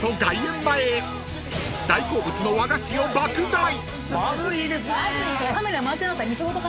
［大好物の和菓子を爆買い］